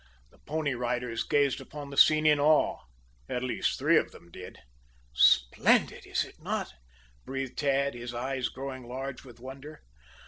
The Pony Riders gazed upon the scene in awe at least three of them did. "Splendid, is it not?" breathed Tad, his eyes growing large with wonder.